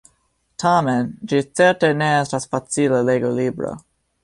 Tamen ĝi certe ne estas facila legolibro!